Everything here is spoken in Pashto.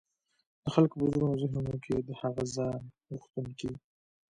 د خلګو په زړونو او ذهنونو کي د هغه ځان غوښتونکي